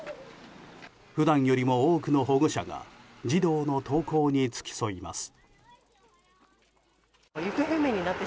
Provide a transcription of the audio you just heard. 普段よりも多くの保護者が児童の登校に付き添います。